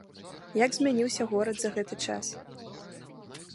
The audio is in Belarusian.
Як змяніўся горад за гэты час?